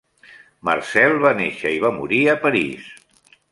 Marcel va néixer i va morir a París.